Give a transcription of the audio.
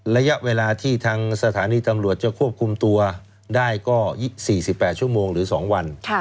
ระยะเวลาที่ทางสถานีตำรวจจะควบคุมตัวได้ก็๔๘ชั่วโมงหรือ๒วัน